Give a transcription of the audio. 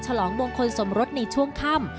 ฉลองมงคลสมรสในช่วงค่ำ